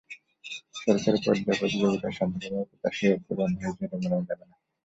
সরকারি পর্যায়ের সহযোগিতায় সম্পূর্ণভাবে প্রত্যাশা পূরণ হয়েছে, এটি বলা যাবে না।